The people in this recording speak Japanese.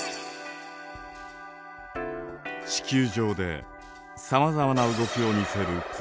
地球上でさまざまな動きを見せるプレート。